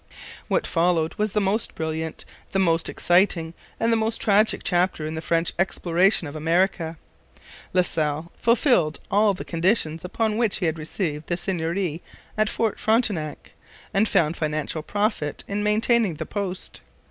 What followed was the most brilliant, the most exciting, and the most tragic chapter in the French exploration of America. La Salle fulfilled all the conditions upon which he had received the seigneury at Fort Frontenac, and found financial profit in maintaining the post.